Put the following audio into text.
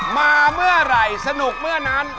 มาเมื่อไหร่สนุกเมื่อนั้น